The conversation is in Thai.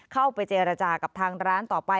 เข้าไปเจรจากับทางร้านต่อไป